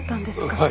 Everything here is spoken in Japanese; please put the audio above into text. はい。